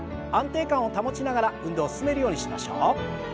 安定感を保ちながら運動を進めるようにしましょう。